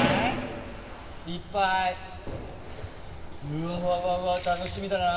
うわうわうわうわ楽しみだな。